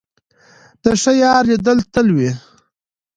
د ښه یار لیدل تل وي.